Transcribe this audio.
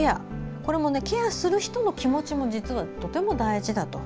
これもケアする人の気持ちも実は、とても大事だと。